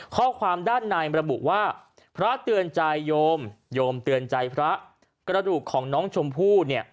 ข้อความด้านในระบุว่าพระเตือนใจโยมโยมเตือนใจพระกระดูกของน้องชมพู่เนี่ย